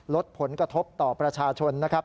ลดผลกระทบต่อประชาชนนะครับ